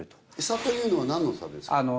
差というのは何の差ですか？